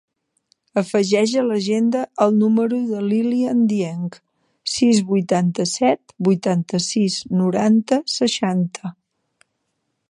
Afegeix a l'agenda el número de l'Ilyan Dieng: sis, vuitanta-set, vuitanta-sis, noranta, seixanta.